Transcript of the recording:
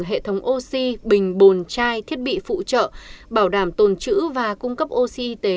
hệ thống oxy bình bồn chai thiết bị phụ trợ bảo đảm tồn trữ và cung cấp oxy y tế